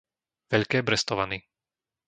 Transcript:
Veľké Brestovany